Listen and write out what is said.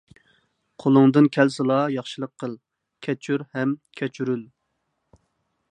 قولۇڭدىن كەلسىلا ياخشىلىق قىل. كەچۈر ھەم كەچۈرۈل.